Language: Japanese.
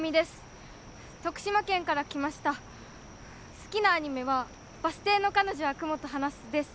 好きなアニメは「バス停の彼女は雲と話す。」です